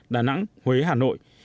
đà nẵng huế hà nội